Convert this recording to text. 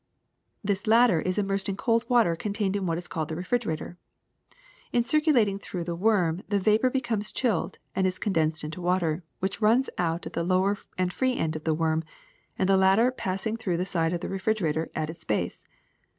This latter is immersed in cold water contained in what is called the refrigerator. In circulating through the worm the vapor becomes chilled and is condensed into water, which runs out at the lower and free end of the worm, the latter passing through the side of the refrigerator at its base.